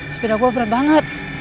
sepeda gue berat banget